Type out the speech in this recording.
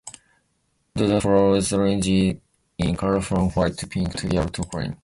Dodder flowers range in color from white to pink to yellow to cream.